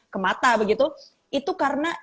ke mata itu karena